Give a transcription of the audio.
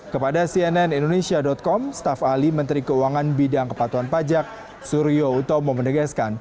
kepada cnn indonesia com staf ahli menteri keuangan bidang kepatuan pajak suryo utomo menegaskan